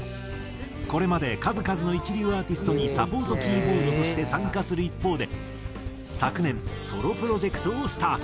これまで数々の一流アーティストにサポートキーボードとして参加する一方で昨年ソロプロジェクトをスタート。